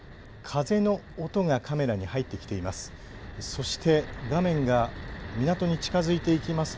風の音がカメラに入ってきています。